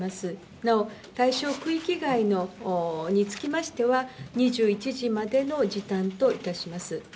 なお対象区域外につきましては、２１時までの時短といたします。